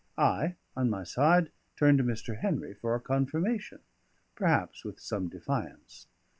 I, on my side, turned to Mr. Henry for a confirmation; perhaps with some defiance.